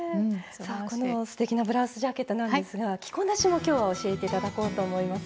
このすてきなブラウスジャケットなんですが着こなしも今日は教えて頂こうと思います。